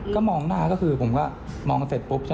ก็มองหน้าก็คือผมก็มองเสร็จปุ๊บ